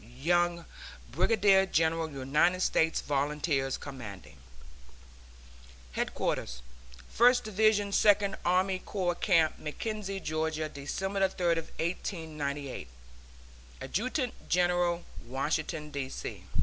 YOUNG, Brigadier General United States Volunteers, Commanding. HEADQUARTERS FIRST DIVISION SECOND ARMY CORPS CAMP MACKENZIE, GA., December 30, 1898. ADJUTANT GENERAL, Washington, D. C.